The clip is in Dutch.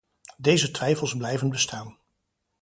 Deze twijfels blijven bestaan.